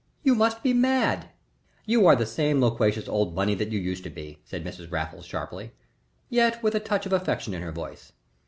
You must be mad." "You are the same loquacious old Bunny that you used to be," said Mrs. Raffles, sharply, yet with a touch of affection in her voice.